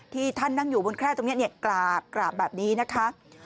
ที่ท่านนั่งอยู่บนแคร่ตรงนี้กราบแบบนี้นะคะ